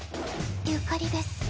ユカリです。